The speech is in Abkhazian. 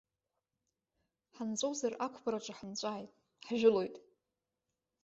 Ҳанҵәозар ақәԥараҿы ҳанҵәааит, ҳжәылоит!